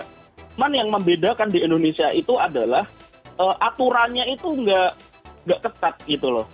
cuman yang membedakan di indonesia itu adalah aturannya itu nggak ketat gitu loh